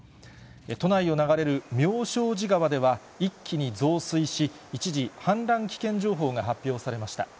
都内を流れる妙正寺川では、一気に増水し、一時、氾濫危険情報が発表されました。